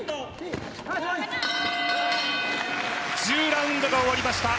１０ラウンドが終わりました。